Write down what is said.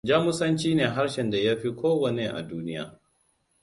Jamusanci ne harshen da ya fi kowanne a duniya.